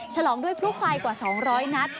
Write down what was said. ฉลองด้วยพลุไฟกว่า๒๐๐นัด